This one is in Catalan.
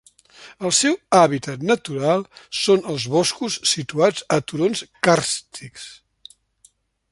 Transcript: El seu hàbitat natural són els boscos situats a turons càrstics.